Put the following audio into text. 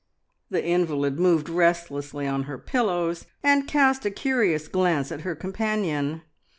The invalid moved restlessly on her pillows, and cast a curious glance at her companion.